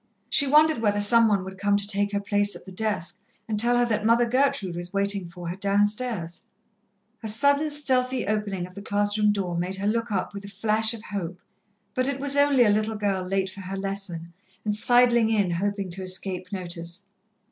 She wondered whether some one would come to take her place at the desk and tell her that Mother Gertrude was waiting for her downstairs. A sudden, stealthy opening of the class room door made her look up with a flash of hope, but it was only a little girl late for her lesson and sidling in, hoping to escape notice.